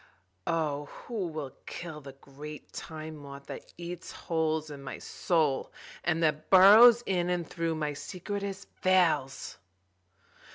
(O who will kill the great Time Moth that eats holes in my soul and that burrows in and through my secretest veils!)